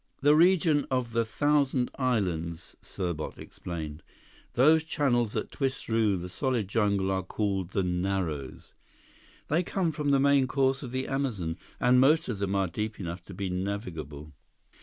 "The region of the Thousand Islands," Serbot explained. "Those channels that twist through the solid jungle are called the Narrows. They come from the main course of the Amazon, and most of them are deep enough to be navigable."